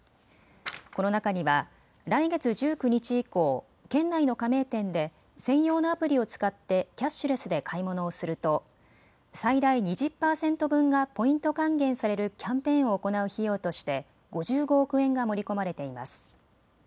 この中には来月１９日以降、県内の加盟店で専用のアプリを使ってキャッシュレスで買い物をすると最大２０％分がポイント還元されるキャンペーンを行う費用として５５億円が盛り込まれています。